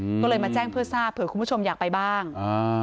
อืมก็เลยมาแจ้งเพื่อทราบเผื่อคุณผู้ชมอยากไปบ้างอ่า